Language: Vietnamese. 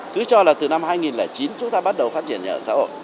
cứ cho là từ năm hai nghìn chín chúng ta bắt đầu phát triển nhà ở xã hội